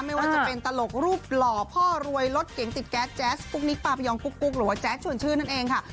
ไม่ว่าจะเป็นตลกรูปหล่อพ่อรวยรถเก๋งติดแก๊สแจ๊สกุ๊กนิกปาพยองกุ๊กหรือว่าแจ๊ดชวนชื่นนั่นเองค่ะ